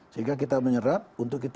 sehingga kita menyerap untuk kita